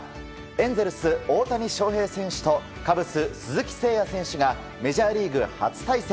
エンゼルス、大谷翔平選手とカブス、鈴木誠也選手がメジャーリーグ初対戦。